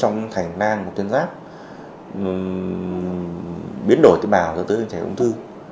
ung thư tiến giáp biến đổi tế bào cho tới trẻ ung thư